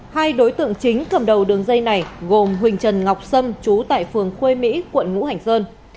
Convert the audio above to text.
hai đối tượng chính cầm đầu đường dây này gồm huỳnh trần ngọc sâm trú tại phường khuê mỹ quận ngũ hành sơn